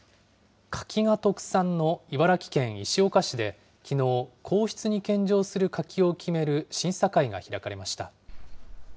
柿が特産の茨城県石岡市できのう、皇室に献上する柿を決める審査会が開かれました。